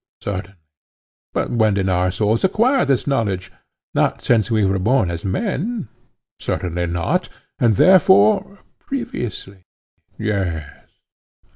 Certainly. But when did our souls acquire this knowledge?—not since we were born as men? Certainly not. And therefore, previously? Yes.